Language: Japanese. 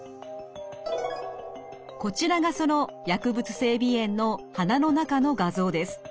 こちらがその薬物性鼻炎の鼻の中の画像です。